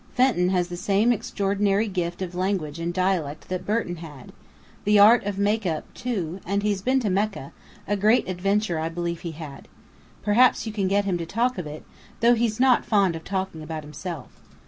Fenton has the same extraordinary gift of language and dialect that Burton had: the art of 'make up,' too; and he's been to Mecca; a great adventure I believe he had. Perhaps you can get him to talk of it: though he's not fond of talking about himself.